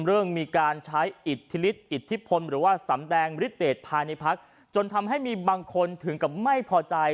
เรื่องมีการใช้อิทธิฤทธิอิทธิพลหรือว่าสำแดงฤทเดตภายในพักจนทำให้มีบางคนถึงกับไม่พอใจ